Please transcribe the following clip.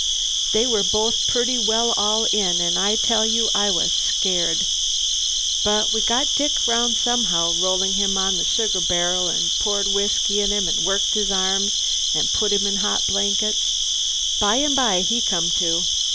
They were both purty well all in, an' I tell you I was scared. But we got Dick around somehow rolled him on a sugar bar'l, an' poured whiskey in him, an' worked his arms, an' put him in hot blankets. By and by he come to.